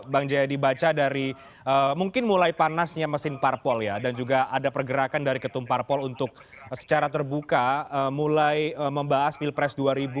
bang jayadi baca dari mungkin mulai panasnya mesin parpol ya dan juga ada pergerakan dari ketumparpol untuk secara terbuka mulai membahas pilpres dua ribu dua puluh